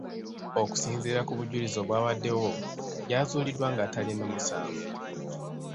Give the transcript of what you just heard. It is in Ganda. Okusinziira ku bujulizi obwabaddewo, yazuuliddwa nga talina musango.